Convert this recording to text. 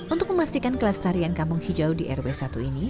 untuk memastikan kelestarian kampung hijau di rw satu ini